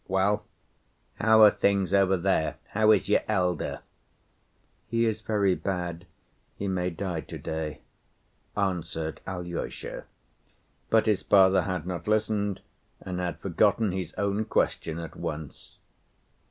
"Well, how are things over there? How is your elder?" "He is very bad; he may die to‐day," answered Alyosha. But his father had not listened, and had forgotten his own question at once.